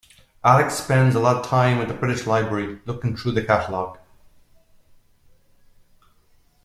Alex spends a lot of time at the British Library, looking through the catalogue.